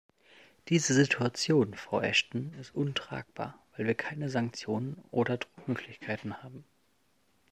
Diese Situation, Frau Ashton, ist untragbar, weil wir keine Sanktionen oder Druckmöglichkeiten haben.